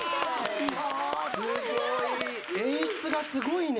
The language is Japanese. すごい演出がすごいね！